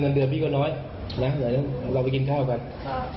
เดือนพี่ก็ร้อยนะเดี๋ยวเราไปกินข้าวกันค่ะ